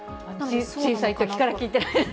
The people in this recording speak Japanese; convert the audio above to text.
小さいときから聞いて？